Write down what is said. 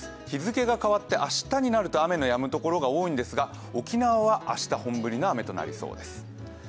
日付が変わって明日になると雨のやむところが多いんですが沖縄は明日、本降りの雨となりそうです。